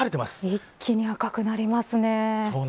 一気に赤くなりますね。